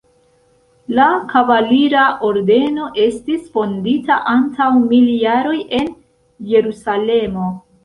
La kavalira ordeno estis fondita antaŭ mil jaroj en Jerusalemo.